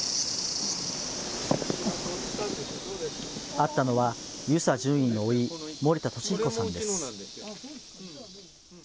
会ったのは遊佐准尉のおい、森田敏彦さんです。